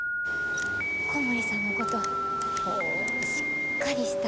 小森さんのことしっかりしたええ